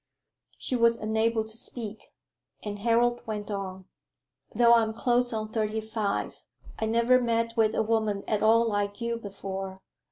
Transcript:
She was unable to speak; and Harold went on "Though I am close on thirty five, I never met with a woman at all like you before.